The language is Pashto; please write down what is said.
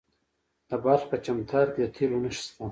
د بلخ په چمتال کې د تیلو نښې شته.